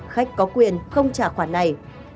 khách có quyền không trả khoản này